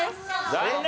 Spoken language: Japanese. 残念！